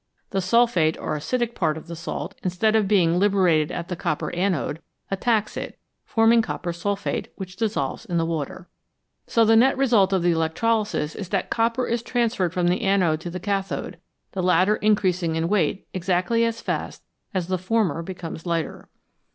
The sulphate, or acidic part of the salt, instead of being liberated at the copper anode, attacks it, forming copper sulphate, which dissolves in the water. So the net 298 CHEMISTRY AND ELECTRICITY result of the electrolysis is that copper is transferred from the anode to the cathode, the latter increasing in weight exactly as fast as the former becomes lighter.